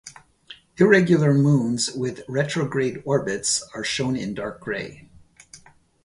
Irregular moons with retrograde orbits are shown in dark grey.